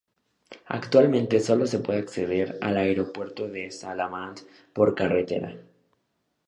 Actualmente sólo se puede acceder al aeropuerto de Småland por carretera.